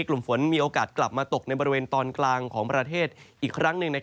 กลุ่มฝนมีโอกาสกลับมาตกในบริเวณตอนกลางของประเทศอีกครั้งหนึ่ง